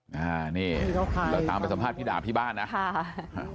อ่านี่เราตามไปสัมภาษณ์พี่ดาบที่บ้านนะค่ะ